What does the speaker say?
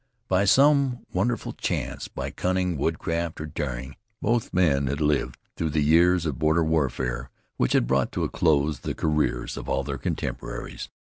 By some wonderful chance, by cunning, woodcraft, or daring, both men had lived through the years of border warfare which had brought to a close the careers of all their contemporaries.